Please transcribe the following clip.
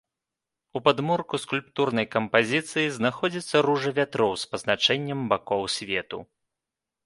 У падмурку скульптурнай кампазіцыі знаходзіцца ружа вятроў з пазначэннем бакоў свету.